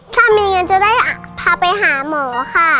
ถ้ามีเงินจะได้พาไปหาหมอค่ะ